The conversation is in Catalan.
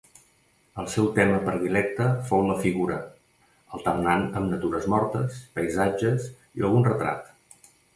El seu tema predilecte fou la figura, alternant amb natures mortes, paisatges i algun retrat.